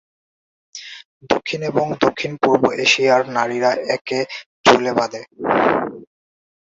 দক্ষিণ এবং দক্ষিণ-পূর্ব এশিয়ার নারীরা একে চুলে বাঁধে।